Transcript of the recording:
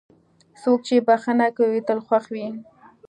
څوک چې بښنه کوي، تل خوښ وي.